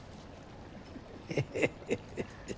ヘヘヘヘ。